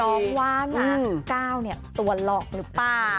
น้องว่าน่ะเก้าตัวหลอกหรือเปล่า